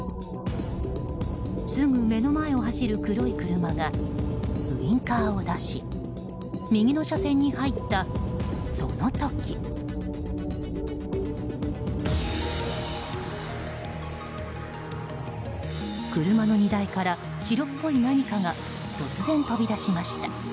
すぐ目の前を走る黒い車がウィンカーを出し右の車線に入ったその時車の荷台から白っぽい何かが突然、飛び出しました。